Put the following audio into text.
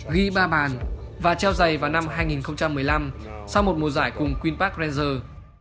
ghi ba bàn và treo giày vào năm hai nghìn một mươi năm sau một mùa giải cùng queen park ranger